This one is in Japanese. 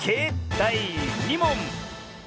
だい２もん！